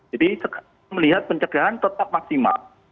jadi melihat pencegahan tetap maksimal